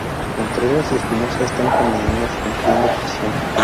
Contreras y Espinoza están condenados cumpliendo prisión.